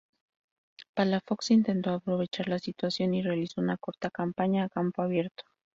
Palafox intentó aprovechar la situación y realizó una corta campaña a campo abierto.